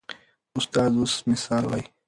استاد اوس مثال وایي.